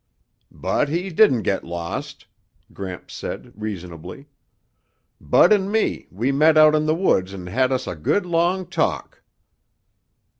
"But he didn't get lost," Gramps said reasonably. "Bud and me, we met out in the woods and had us a good long talk."